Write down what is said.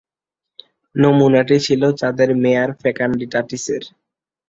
নমুনাটি ছিল চাঁদের মেয়ার ফেকান্ডিটাটিসের।